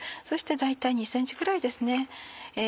そして大体２ｃｍぐらいです。